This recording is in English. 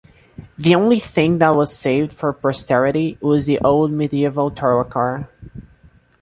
The only thing that was saved for posterity was the old medieval tower core.